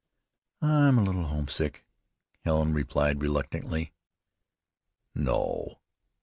"I'm a little homesick," Helen replied reluctantly. "No?